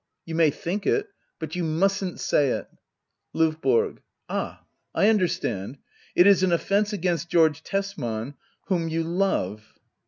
You may think it ; but you mustn't say it. LOVBORO. Ah, I understand. It is an offence against George Tesman, whom you^ — love.